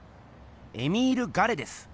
エミール・ガレです。